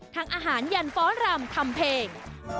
ทางอาหารยันฟ้อร์รัมทำเพลง